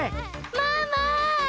ママ！